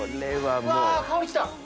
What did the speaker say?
うわ香りきた！